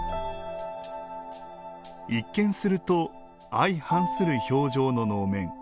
一見すると相反する表情の能面。